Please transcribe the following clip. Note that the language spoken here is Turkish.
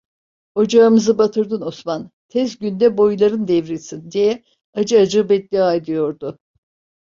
Ocağımızı batırdın Osman, tez günde boyların devrilsin! diye acı acı beddua ediyordu.